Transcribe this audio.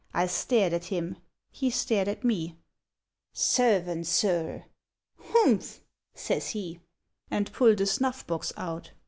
I stared at him; he stared at me; 'Servant, Sir!' 'Humph!' says he, And pull'd a snuff box out.